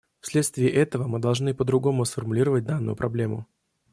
Вследствие этого мы должны по-другому сформулировать данную проблему.